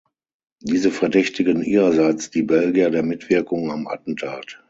Diese verdächtigten ihrerseits die Belgier der Mitwirkung am Attentat.